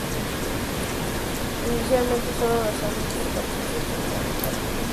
Inicialmente sólo las familias patricias tenían tal derecho.